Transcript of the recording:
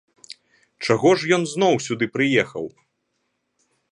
Чаго ж ён зноў сюды прыехаў?